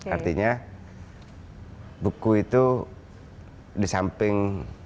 artinya buku itu di samping